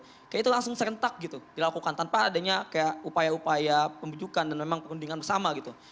kayaknya itu langsung serentak gitu dilakukan tanpa adanya kayak upaya upaya pembujukan dan memang perundingan bersama gitu